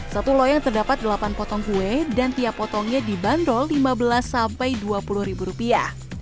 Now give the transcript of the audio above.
satu loyang terdapat delapan potong kue dan tiap potongnya dibanderol lima belas sampai dua puluh ribu rupiah